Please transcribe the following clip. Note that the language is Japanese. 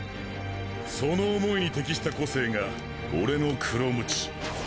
その思いに適した個性が俺の「黒鞭」。